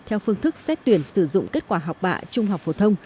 theo phương thức xét tuyển sử dụng kết quả học bạ trung học phổ thông